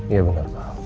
iya benar pak